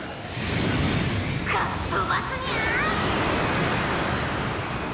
かっ飛ばすニャ！